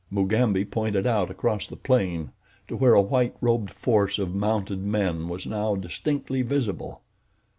Mugambi pointed out across the plain to where a white robed force of mounted men was now distinctly visible.